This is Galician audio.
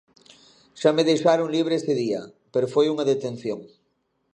Xa me deixaron libre ese día, pero foi unha detención.